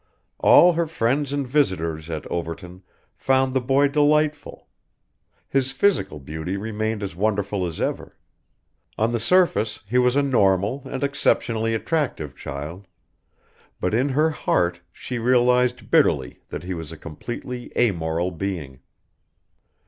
All her friends and visitors at Overton found the boy delightful; his physical beauty remained as wonderful as ever; on the surface he was a normal and exceptionally attractive child; but in her heart she realised bitterly that he was a completely a moral being.